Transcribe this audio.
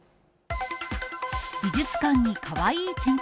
美術館にかわいい珍客。